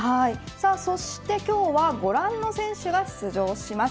そして今日はご覧の選手が出場します。